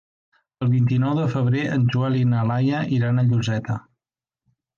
El vint-i-nou de febrer en Joel i na Laia iran a Lloseta.